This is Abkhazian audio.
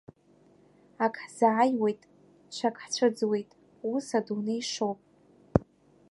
Ак ҳзааиуеит, ҽак ҳцәыӡуеит, ус Адунеи шоуп.